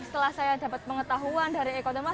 setelah saya dapat pengetahuan dari ekotemar